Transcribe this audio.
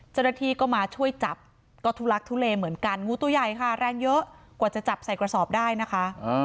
เจ้าหน้าที่ก็มาช่วยจับก็ทุลักทุเลเหมือนกันงูตัวใหญ่ค่ะแรงเยอะกว่าจะจับใส่กระสอบได้นะคะ